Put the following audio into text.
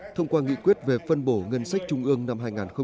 thông qua nghị quyết về phân bổ ngân sách trung ương năm hai nghìn hai mươi